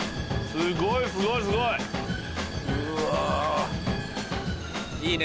すごいね。